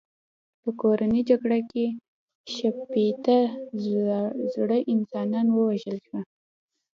په کورنۍ جګړه کې شپېته زره انسانان ووژل شول.